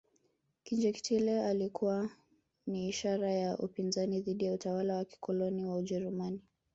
Kinjekitile alikuwa ni ishara ya upinzani dhidi ya utawala wa kikoloni wa ujerumani